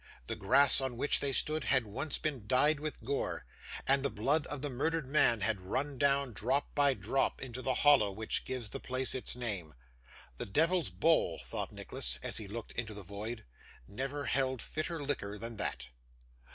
The grass on which they stood, had once been dyed with gore; and the blood of the murdered man had run down, drop by drop, into the hollow which gives the place its name. 'The Devil's Bowl,' thought Nicholas, as he looked into the void, 'never held fitter liquor than that!